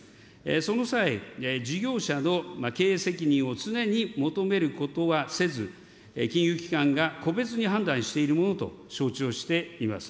その際、事業者の経営責任を常に求めることはせず、金融機関が個別に判断しているものと承知をしています。